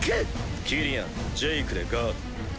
キリアンジェイクでガード。